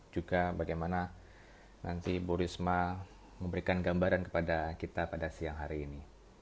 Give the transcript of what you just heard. juga bagaimana nanti bu risma memberikan gambaran kepada kita pada siang hari ini